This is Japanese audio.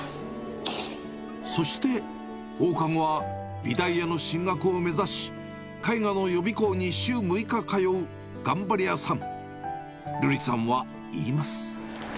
そして放課後は美大への進学を目指し、絵画の予備校に週６日通う頑張り屋さん。